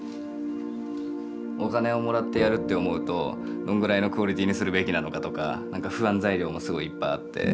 お金をもらってやるって思うとどんぐらいのクオリティーにするべきなのかとか何か不安材料もすごいいっぱいあって。